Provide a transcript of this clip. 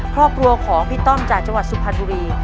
ครอบครัวของพี่ต้อมจากจังหวัดสุพรรณบุรี